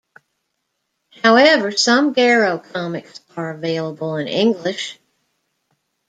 However, some "Garo" comics are available in English.